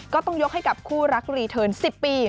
ก็ต้องยกให้กับคู่รักรีเทิร์น๑๐ปี